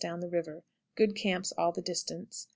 Down the River. Good camps all the distance.